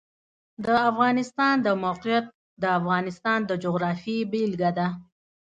د افغانستان د موقعیت د افغانستان د جغرافیې بېلګه ده.